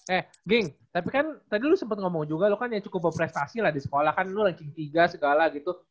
eh ging tapi kan tadi lu sempet ngomong juga lo kan ya cukup berprestasi lah di sekolah kan lu ranking tiga segala gitu